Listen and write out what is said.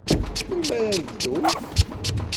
Melmi ara ad yebdu?